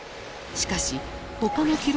しかしほかの記録